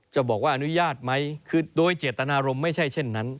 จะบอกว่าอนุญาตไหมคือโดยเจตนารมณ์ไม่ใช่เช่นนั้น